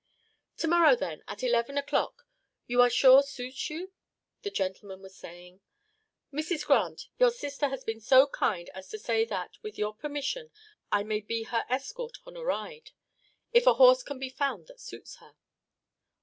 "To morrow, then, at eleven o'clock, you are sure suits you?" the gentleman was saying. "Mrs. Grant, your sister has been so kind as to say that, with your permission, I may be her escort on a ride, if a horse can be found that suits her."